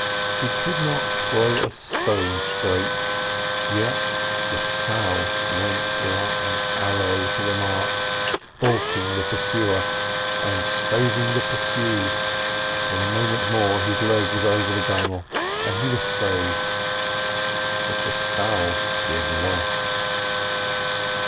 She could not throw a stone straight, yet the scull went like an arrow to the mark, balking the pursuer and saving the pursued. In a moment more his leg was over the gunwale, and he was saved. But the scull was lost.